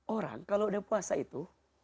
orang kalau udah puasa itu